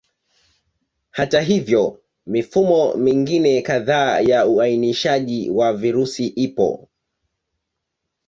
Hata hivyo, mifumo mingine kadhaa ya uainishaji wa virusi ipo.